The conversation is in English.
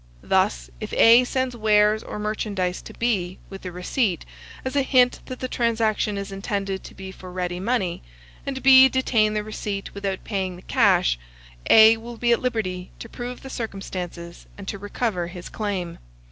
Thus, if A sends wares or merchandise to B, with a receipt, as a hint that the transaction is intended to be for ready money, and B detain the receipt without paying the cash, A will be at liberty to prove the circumstances and to recover his claim.